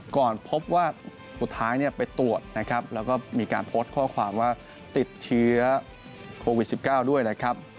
ก่อนพบว่าสุดท้ายไปตรวจนะครับแล้วก็มีการโพสต์ข้อความว่าติดเชื้อโควิด๑๙ด้วยนะครับ